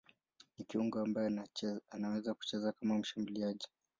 Ni kiungo ambaye anaweza kucheza kama mshambuliaji.